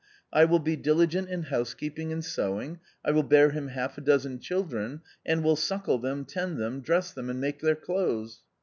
I will be diligent in housekeeping and sewing ; I will bear him half a dozen children, and will suckle them, tend them, dress them and make their clothes."